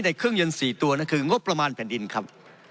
แต่เครื่องยนต์๔ตัวนั่นคืองบประมาณแผ่นดินครับ